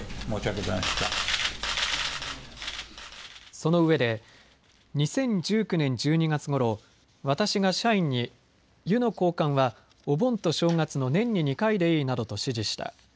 そのうえで２０１９年１２月ごろ私が社員に湯の交換はお盆と正月の年に２回でいいなどと指示した。